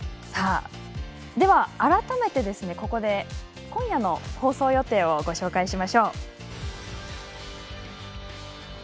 改めてここで今夜の放送予定をご紹介しましょう。